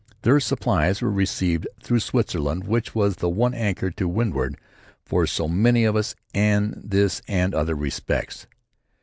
Their supplies were received through Switzerland which was the one anchor to windward for so many of us in this and other respects.